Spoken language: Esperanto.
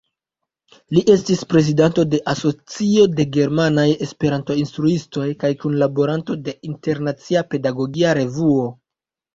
Li estis prezidanto de Asocio de Germanaj Esperanto-Instruistoj kaj kunlaboranto de "Internacia Pedagogia Revuo.